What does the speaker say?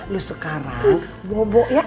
lu sekarang bobo ya